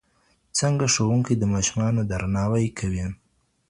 څنګه ښوونکي د ماشومانو درناوی کوي؟